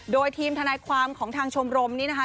โดยทีมทนายความของทางชมรมนี้นะคะ